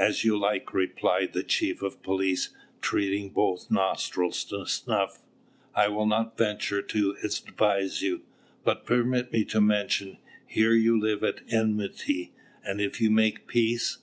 "As you like," replied the chief of police, treating both nostrils to snuff. "I will not venture to advise you; but permit me to mention here you live at enmity, and if you make peace..."